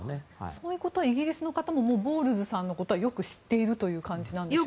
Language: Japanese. そういうことをイギリスの方もボウルズさんのことはよく知っているという感じなんですか？